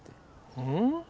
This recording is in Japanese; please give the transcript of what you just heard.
うん？